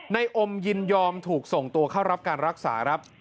อมยินยอมถูกส่งตัวเข้ารับการรักษาครับ